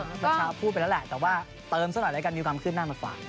เมื่อเช้าพูดไปแล้วแหละแต่ว่าเติมซะหน่อยแล้วกันมีความขึ้นหน้ามาฝาก